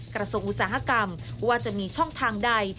กระทรวงอุตสาหกรรมว่าจะมีช่องทางใด